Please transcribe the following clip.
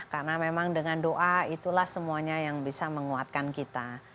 karena memang dengan doa itulah semuanya yang bisa menguatkan kita